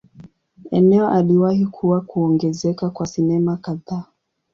Eneo aliwahi kuwa kuongezeka kwa sinema kadhaa.